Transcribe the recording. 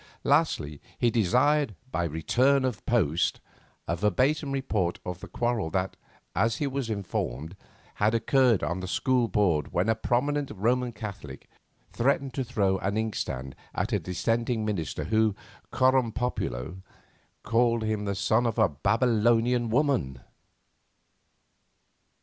Lastly, he desired, by return of post, a verbatim report of the quarrel that, as he was informed, had occurred on the school board when a prominent Roman Catholic threatened to throw an inkstand at a dissenting minister who, coram populo, called him the son of "a Babylonian woman."